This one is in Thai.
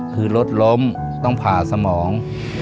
คือรถล้มต้องผ่าสมอง